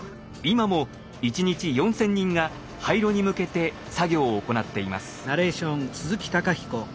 今も１日４，０００人が廃炉に向けて作業を行っています。